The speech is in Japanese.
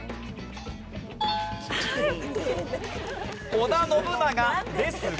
織田信長ですが。